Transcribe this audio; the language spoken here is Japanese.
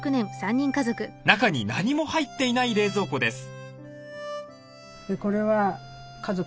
中に何も入っていない冷蔵庫です。